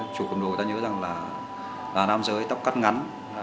chủ quần đồ ta nhớ rằng là nam giới tóc cắt ngắn